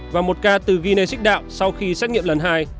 và một ca từ guinea six đạo sau khi xét nghiệm lần hai